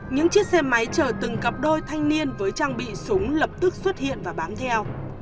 những chiếc xe máy chờ từng cặp đôi thanh niên với trang bị súng lập tức xuất hiện và bám theo